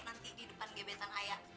nanti di depan gebetan ayah